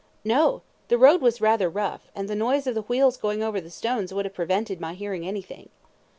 A. No; the road was rather rough, and the noise of the wheels going over the stones would have prevented my hearing anything.